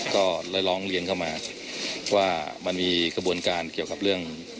ก็เลยร้องเรียนเข้ามาว่ามันมีกระบวนการเกี่ยวกับเรื่อง